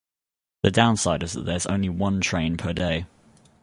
The downside is that there's only one train per day